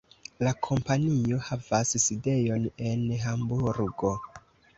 La kompanio havas sidejon en Hamburgo.